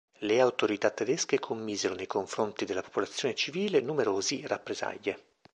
Le autorità tedesche commisero nei confronti della popolazione civile numerosi rappresaglie.